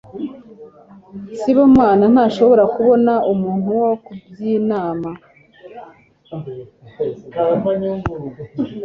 Sibomana ntashobora kubona umuntu wo kubyinana.